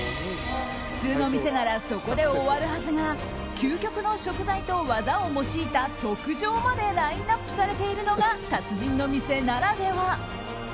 普通の店ならそこで終わるはずが究極の食材と技を用いた特上までラインアップされているのが達人の店ならでは。